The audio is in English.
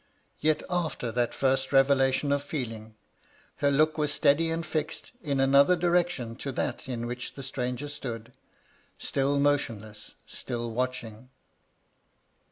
Yet after that first revelation of feeling, her look was steady and fiixed in another direction to that m which the stranger stood, — still motionless — still watching.